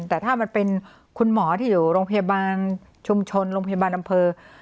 แต่ถ้ามันเป็นคุณหมอที่อยู่โรงพยาบาลชุมชนโรงพยาบาลอำเภอ